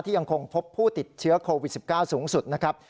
ยังคงพบผู้ติดเชื้อโควิด๑๙สูงสุดนะครับ